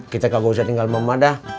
kita gak usah tinggal sama mama dah